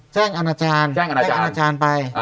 แจ้งอนาจารย์ไป